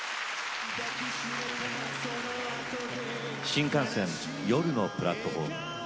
新幹線、夜のプラットフォーム。